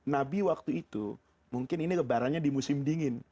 nabi waktu itu mungkin ini lebarannya di musim dingin